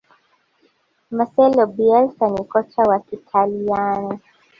marcelo bielsa ni kocha wa Kiitaliano